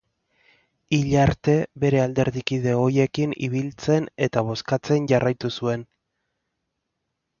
Hil arte, bere alderdikide ohiekin ibiltzen eta bozkatzen jarraitu zuen.